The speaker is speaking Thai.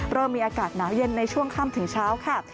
เริ่มมีอากาศหนาวเย็นในช่วงค่ำถึงเช้าค่ะ